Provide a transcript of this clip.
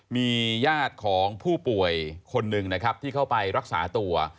มีญาติของผู้ป่วยคนหนึ่งนะครับที่เข้าไปรักษาตัว